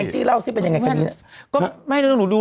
ช่วยเปิดดูกันหน่อยนิดนึงวันนี้